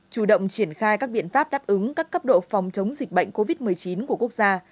chủ động triển khai các biện pháp đáp ứng các cấp độ phòng chống dịch bệnh covid một mươi chín của quốc gia